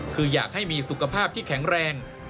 คืออยากให้มีสุขภาพที่แข็งแรง